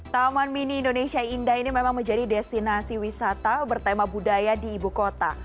taman mini indonesia indah ini memang menjadi destinasi wisata bertema budaya di ibu kota